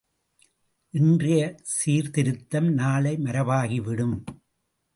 இன்றையச் சீர்த்திருத்தம் நாளை மரபாகிவிடும்.